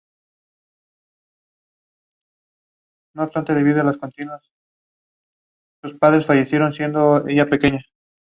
They are currently signed to Earache Records.